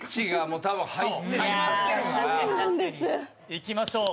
いきましょう。